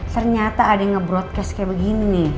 ternyata ada yang nge broadcast kayak begini nih